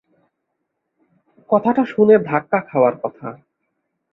কথাটা শুনে ধাক্কা খাওয়ার কথা।